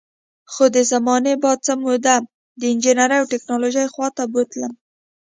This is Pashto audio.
خو د زمانې باد څه موده د انجینرۍ او ټیکنالوژۍ خوا ته بوتلم